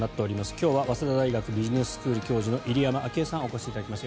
今日は早稲田大学ビジネススクール教授の入山章栄さんにお越しいただきました。